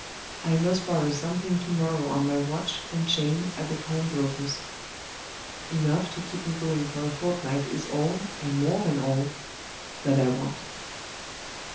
I must borrow something to morrow on my watch and chain at the pawnbroker's. Enough to keep me going for a fortnight is all, and more than all, that I want.